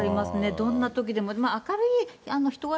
どんなときでも、明るい人柄